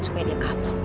supaya dia kapok